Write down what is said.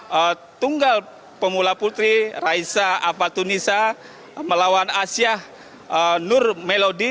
kemudian tunggal pemula putri raisa apatunisa melawan asyah nur melodi